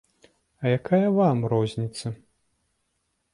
А якая вам розніца?